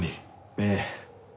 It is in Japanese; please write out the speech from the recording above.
ええ。